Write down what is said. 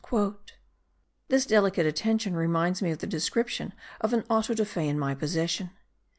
This delicate attention reminds me of the description of an auto da fe in my possession.